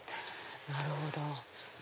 なるほど。